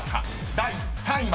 ［第３位は］